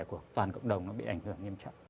của toàn cộng đồng nó bị ảnh hưởng nghiêm trọng